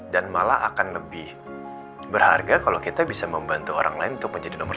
dan malah akan lebih berharga kalo kita bisa membantu orang lain untuk menjadi nomor satu